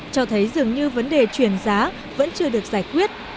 cho thấy dường như vấn đề chuyển giá vẫn chưa được giải quyết